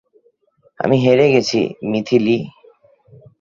আমি হেরে গেছি, মিথিলি।